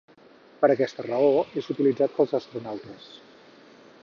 Per aquesta raó és utilitzat pels astronautes.